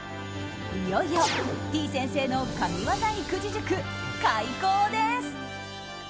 いよいよ、てぃ先生の神ワザ育児塾、開講です。